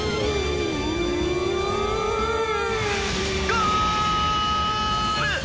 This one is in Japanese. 「ゴール！」。